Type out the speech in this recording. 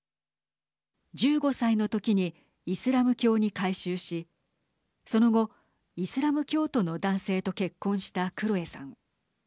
１５歳のときにイスラム教に改宗しその後、イスラム教徒の男性と結婚したクロエさん。